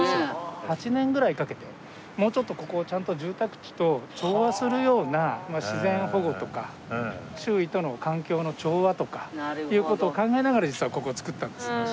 ８年ぐらいかけてもうちょっとここをちゃんと住宅地と調和するような自然保護とか周囲との環境の調和とかいう事を考えながら実はここを作ったんです。